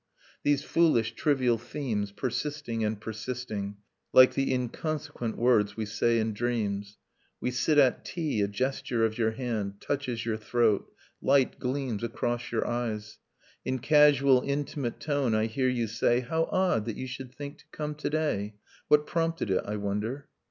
these foolish trivial themes, Persisting and persisting, Like the inconsequent words we say in dreams. We sit at tea ; a gesture of your hand, Touches your throat, light gleams across your eyes; In casual intimate tone I hear you say 'How odd that you should think to come to day. .. What prompted it, I wonder?'